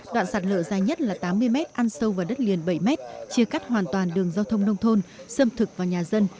đoạn sạt lở dài nhất là tám mươi mét ăn sâu vào đất liền bảy mét chia cắt hoàn toàn đường giao thông nông thôn xâm thực vào nhà dân